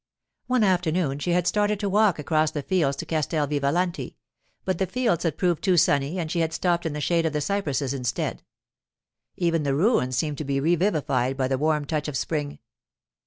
One afternoon she had started to walk across the fields to Castel Vivalanti, but the fields had proved too sunny and she had stopped in the shade of the cypresses instead. Even the ruins seemed to be revivified by the warm touch of spring.